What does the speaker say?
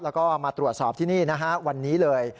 แล้วก็มาตรวจสอบที่นี่นะฮะวันนี้เลย